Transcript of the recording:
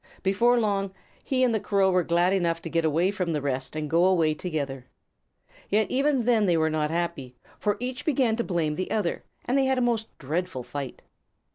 Before long, he and the Crow were glad enough to get away from the rest and go away together. Yet even then they were not happy, for each began to blame the other, and they had a most dreadful fight.